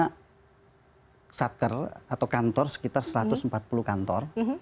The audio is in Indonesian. setelah kita membuat kontor sekitar satu ratus empat puluh kantor